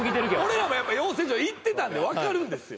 俺らも養成所行ってたんで分かるんですよ